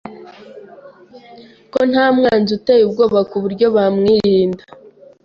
ko nta mwanzi uteye ubwoba ku buryo bamwirinda